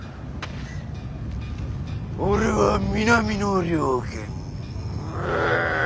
俺は「南の猟犬」